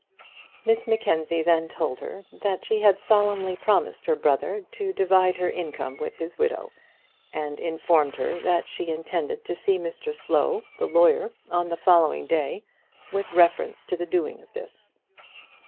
Miss Mackenzie then told her that she had solemnly promised her brother to divide her income with his widow, and informed her that she intended to see Mr Slow, the lawyer, on the following day, with reference to the doing of this.